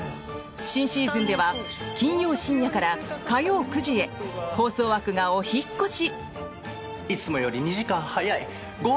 新シーズンは金曜深夜から火曜９時へ放送枠がお引っ越し！